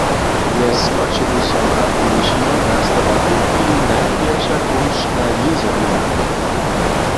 Mjez Choćebuzom a Budyšinom nastawa tuchwilu najwjetša kumštna jězorina.